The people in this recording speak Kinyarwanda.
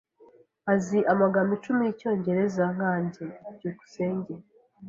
Azi amagambo icumi yicyongereza nkanjye. byukusenge